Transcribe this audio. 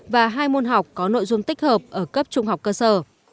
và hai môn học có nội dung tích hợp ở cấp trung học cơ sở